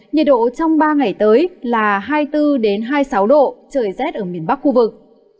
nhiệt độ trong ba ngày tới là hai mươi bốn hai mươi sáu độ trời rét ở miền bắc khu vực